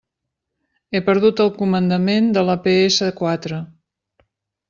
He perdut el comandament de la pe essa quatre.